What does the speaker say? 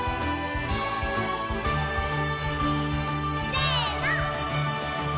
せの！